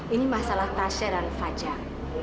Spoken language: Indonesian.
ini masalah tasya dan fajar